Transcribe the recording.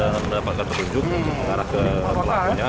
dan mendapatkan petunjuk mengarah ke pelakunya